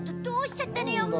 どうしちゃったのよ？